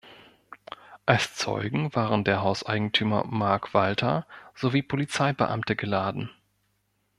Als Zeugen waren der Hauseigentümer Marc Walter sowie Polizeibeamte geladen.